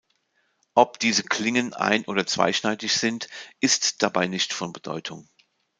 Ob diese Klingen ein- oder zweischneidig sind, ist dabei nicht von Bedeutung.